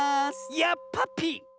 やっぱぴ！